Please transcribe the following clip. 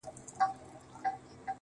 نه یې زرکي په ککړو غولېدلې -